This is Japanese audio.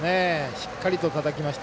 しっかりとたたきました。